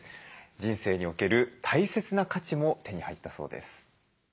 人生における大切な価値も手に入ったそうです。